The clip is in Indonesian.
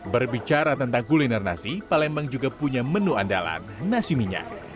berbicara tentang kuliner nasi palembang juga punya menu andalan nasi minyak